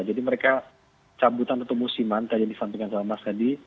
jadi mereka cabutan untuk musiman tadi disampingkan sama mas tadi